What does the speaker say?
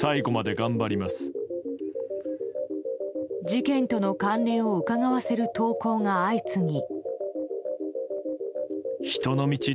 事件との関連をうかがわせる投稿が相次ぎ。